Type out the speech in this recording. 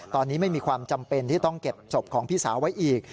ตอนนี้ไม่มีความจำเป็นที่ต้องเก็บศพของพี่สาวไว้อีก